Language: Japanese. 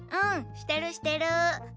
してるしてる。